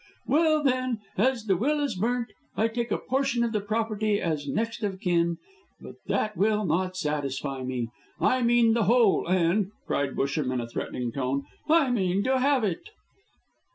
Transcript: Well, then, as the will is burnt, I take a portion of the property as next of kin; but that will not satisfy me. I want the whole, and," cried Busham, in a threatening tone, "I mean to have it!"